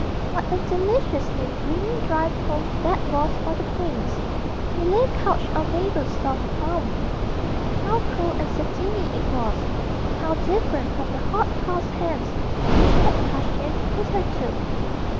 What a deliciously dreamy drive home that was for the prince; he lay couched on Mabel's soft palm, thinking how cool and satiny it was, and how different from the hot coarse hands which had touched him hitherto.